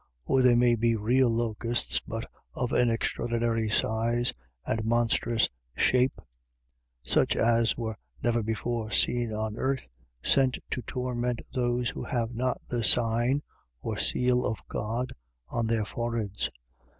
Or they may be real locusts, but of an extraordinary size and monstrous shape, such as were never before seen on earth, sent to torment those who have not the sign (or seal) of God on their foreheads.